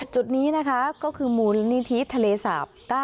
จุดนี้นะคะก็คือมูลนิธิทะเลสาป๙